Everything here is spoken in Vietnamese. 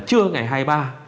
trưa ngày hai mươi ba